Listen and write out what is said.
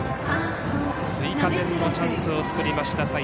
追加点のチャンスを作りました。